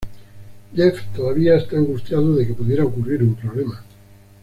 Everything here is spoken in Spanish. Jeff todavía está angustiado de que pudiera ocurrir un problema.